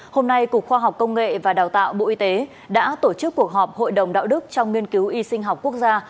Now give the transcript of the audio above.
hôm nay cục khoa học công nghệ và đào tạo bộ y tế đã tổ chức cuộc họp hội đồng đạo đức trong nghiên cứu y sinh học quốc gia